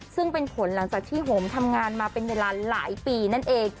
ซึ่งเป็นผลหลังจากที่ผมทำงานมาเป็นเวลาหลายปีนั่นเอง